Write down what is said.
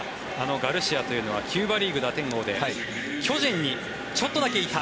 ガルシアというのはキューバリーグ打点王で巨人にちょっとだけいた。